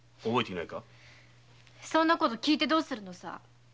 そんなこと聞いてどうするのさ？